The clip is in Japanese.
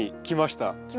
きました。